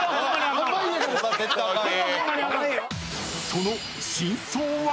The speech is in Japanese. ⁉［その真相は⁉］